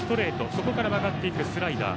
そこから曲がっていくスライダー。